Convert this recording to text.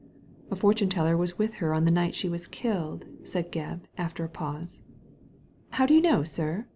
^ "A fortune teller was with her on the night she was killed," said Gebb, after a pause. "How do you know, sir?"